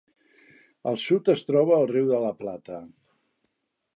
Al sud es troba el Riu de la Plata.